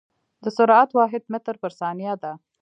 د سرعت واحد متر پر ثانيه ده.